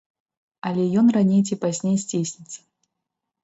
Але ён раней ці пазней здзейсніцца.